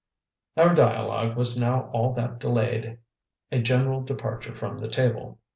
Our dialogue was now all that delayed a general departure from the table.